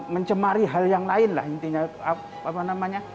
mencemari hal yang lain lah intinya apa namanya